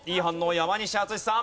山西惇さん。